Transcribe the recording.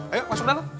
ayo masuk ke dalam